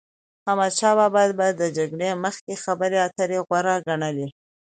احمدشا بابا به د جګړی مخکي خبري اتري غوره ګڼلې.